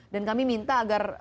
dan kami minta agar